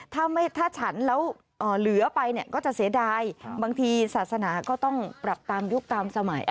ถ้าฉันแล้วเหลือไปเนี่ยก็จะเสียดายบางทีศาสนาก็ต้องปรับตามยุคตามสมัย